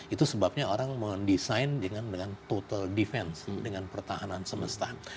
itu sebabnya orang mendesain dengan total defense dengan pertahanan semesta